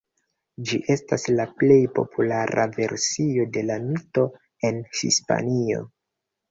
Ĝi estas la plej populara versio de la mito en Hispanio.